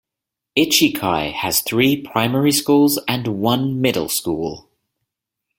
Ichikai has three primary schools and one middle school.